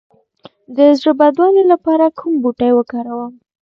د زړه بدوالي لپاره کوم بوټی وکاروم؟